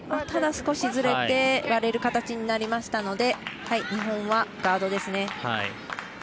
ただ、少しズレて割れる形になりましたので日本はガードですね。